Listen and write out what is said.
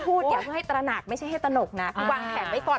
ไม่ใช่ให้ตาระหนักไม่ใช่ให้ตะหนกนะวางแผนไว้ก่อน